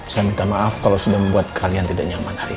saya minta maaf kalau sudah membuat kalian tidak nyaman hari ini